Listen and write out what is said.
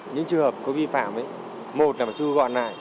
những trường hợp có vi phạm một là phải thu gọn lại